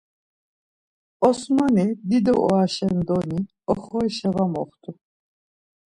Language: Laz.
Osmani dido oraşen doni oxorişa var moxtu.